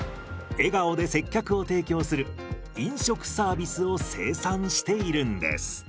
笑顔で接客を提供する飲食サービスを生産しているんです。